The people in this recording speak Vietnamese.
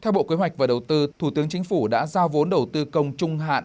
theo bộ kế hoạch và đầu tư thủ tướng chính phủ đã giao vốn đầu tư công trung hạn